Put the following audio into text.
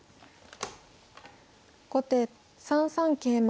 後手３三桂馬。